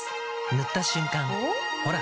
塗った瞬間おっ？